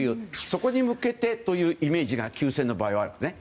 そこに向けてというイメージが休戦の場合はあるんですね。